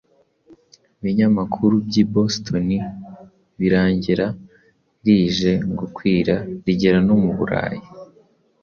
binyamakuru by’i Boston birangira rije gukwira rigera no mu Burayi.